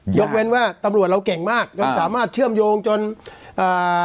ยกเว้นว่าตำรวจเราเก่งมากจนสามารถเชื่อมโยงจนอ่า